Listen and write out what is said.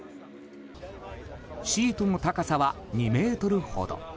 シートの高さは２ｍほど。